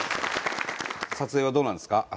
撮影はどうなんですか？